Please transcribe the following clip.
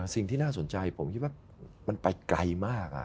สิ่งที่น่าสนใจผมคิดว่ามันไปไกลมาก